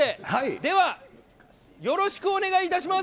では、よろしくお願いいたします。